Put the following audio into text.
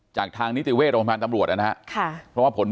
จากทางนิติเวศหรือบ้านตำรวจนะครับ